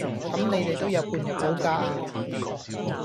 咁你哋都有半日補假呀